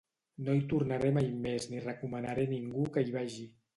No hi tornaré mai més ni recomanaré a ningú que hi vagi.